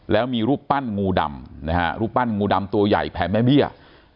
แล้วมีรูปปั้นงูดำนะฮะรูปปั้นงูดำตัวใหญ่แผ่แม่เบี้ย